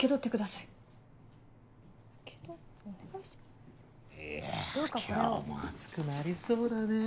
いや今日も暑くなりそうだね。